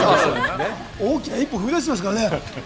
大きな一歩を踏み出しましたからね。